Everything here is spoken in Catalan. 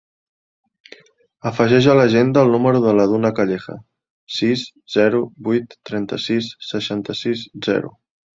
Afegeix a l'agenda el número de la Duna Calleja: sis, zero, vuit, trenta-sis, seixanta-sis, zero.